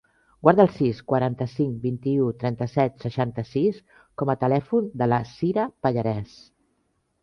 Guarda el sis, quaranta-cinc, vint-i-u, trenta-set, seixanta-sis com a telèfon de la Sira Pallares.